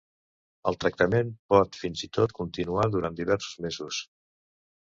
El tractament pot fins i tot continuar durant diversos mesos.